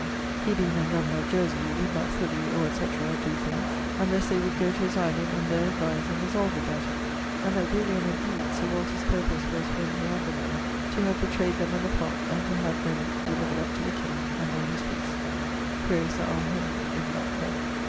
he being then governor of Jersey, would not fully, or etc., doe things unles they would goe to his island and there advise and resolve about it; and that really and indeed Sir Walter's purpose was when he had them there, to have betrayed them and the plott, and to have then delivered up to the king and made his peace. [LXXIII.] Quaere Sir R. Henley, if not colonel.